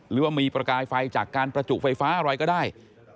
หรือว่ามีประกายไฟจากการประจุไฟฟ้าอะไรก็ได้